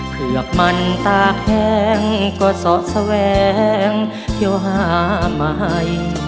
เพื่อกมันตาแข็งก็สะแวงเที่ยวหาไม่